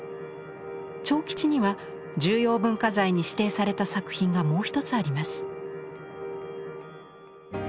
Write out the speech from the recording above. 長吉には重要文化財に指定された作品がもう一つあります。